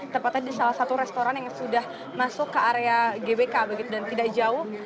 tepatnya di salah satu restoran yang sudah masuk ke area gbk begitu dan tidak jauh